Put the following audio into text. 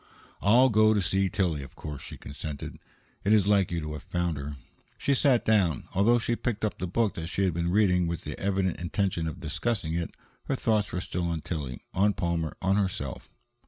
"I'll go to see Tillie, of course," she consented. "It is like you to have found her." She sat down. Although she picked up the book that she had been reading with the evident intention of discussing it, her thoughts were still on Tillie, on Palmer, on herself.